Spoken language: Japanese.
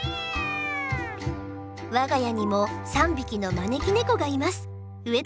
我が家にも３匹のまねきねこがいます。